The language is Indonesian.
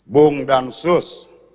bung dan sus